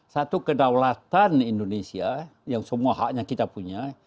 satu kedaulatan indonesia yang semua haknya kita punya